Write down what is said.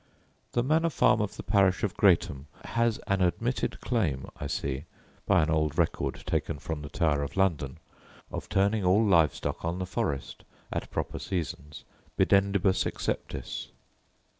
The manor farm of the parish of Greatham has an admitted claim, I see (by an old record taken from the Tower of London), of turning all live stock on the forest at proper seasons, bidentibus exceptis.